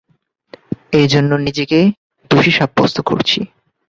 এ জন্য নিজেকে দোষী সাব্যস্ত করছি।